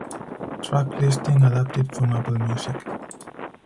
Track listing adapted from Apple Music.